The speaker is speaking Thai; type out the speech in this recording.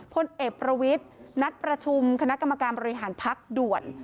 พลเอกประวิทย์นัดประชุมคณะกรรมการบริหารพักด่วน